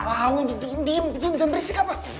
jauh diam diam jangan berisik apa